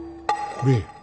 これ。